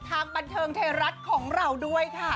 ทางบันเทิงไทยรัฐของเราด้วยค่ะ